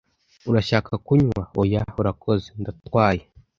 "Urashaka kunywa?" "Oya, urakoze. Ndatwaye."